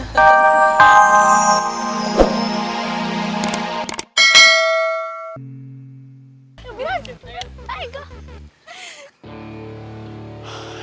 lebih lagi men